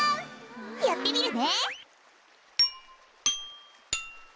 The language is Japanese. やってみるね！